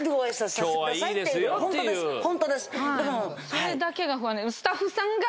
それだけが不安で。